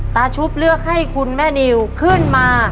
ชุบเลือกให้คุณแม่นิวขึ้นมา